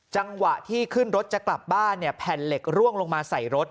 จังหวะที่ขึ้นรถจะกลับบ้านเนี่ยแผ่นเหล็กร่วงลงมาใส่รถ